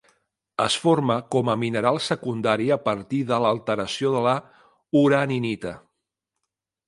Es forma com a mineral secundari a partir de l'alteració de la uraninita.